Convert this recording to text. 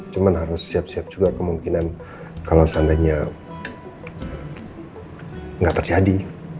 cuma harus siap siap juga kemungkinan kalau seandainya nggak terjadi